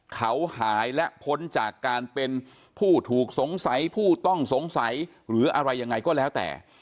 เขาหายและพ้นจากการเป็นผู้ถูกสงสัยผู้ต้องสงสัยหรืออะไรยังไงก็แล้วแต่